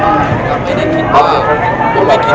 มุมการก็แจ้งแล้วเข้ากลับมานะครับ